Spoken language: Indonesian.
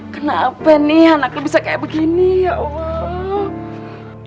kenapa nih anak lu bisa kayak begini ya allah